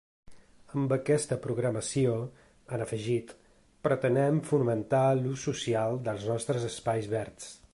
Amb aquesta programació, han afegit, “pretenem fomentar l’ús social dels nostres espais verds”.